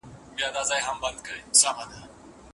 الله تعالی د منع سوو شيانو ورکړه څنګه حرامه کړې؟